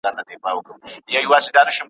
چي ملا كړ ځان تيار د جگړې لور ته `